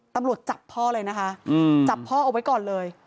ตำรวจจับพ่อเลยนะคะจับพ่อเอาไว้ก่อนเลย